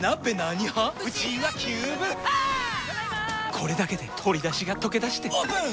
これだけで鶏だしがとけだしてオープン！